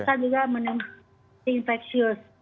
bisa juga menimbulkan infeksius